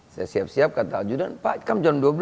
saya siap siap kata adjudan pak kan jam dua belas